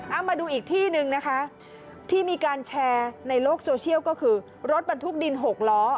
เอามาดูอีกที่หนึ่งนะคะที่มีการแชร์ในโลกโซเชียลก็คือรถบรรทุกดินหกล้อ